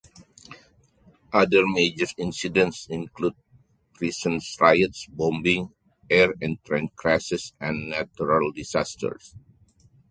Other major incidents include prison riots, bombings, air and train crashes, and natural disasters.